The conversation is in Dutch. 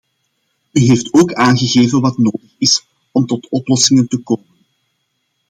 U heeft ook aangegeven wat nodig is om tot oplossingen te komen.